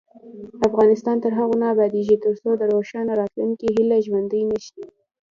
افغانستان تر هغو نه ابادیږي، ترڅو د روښانه راتلونکي هیله ژوندۍ نشي.